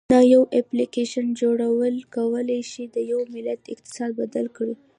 د یو اپلیکیشن جوړول کولی شي د یو ملت اقتصاد بدل کړي.